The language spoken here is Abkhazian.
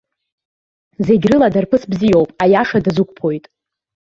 Зегьрыла дарԥыс бзиоуп, аиаша дазықәԥоит.